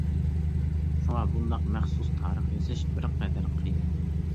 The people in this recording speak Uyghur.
شۇڭا، بۇنداق مەخسۇس تارىخ يېزىش بىر قەدەر قىيىن.